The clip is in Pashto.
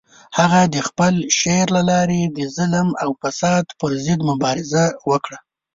هغه د خپل شعر له لارې د ظلم او فساد پر ضد مبارزه وکړه.